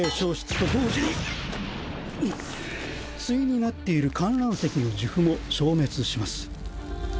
対になっている観覧席の呪符も消滅します。